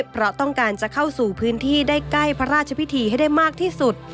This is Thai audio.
เพราะต้องการจะเข้าสู่พื้นที่ได้ใกล้พระราชพิธีให้ได้มากที่สุด